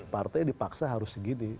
partai dipaksa harus segini